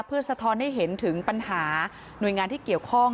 เพื่อสะท้อนให้เห็นถึงปัญหาหน่วยงานที่เกี่ยวข้อง